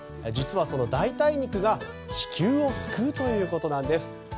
実は、その代替肉が地球を救うということなんです。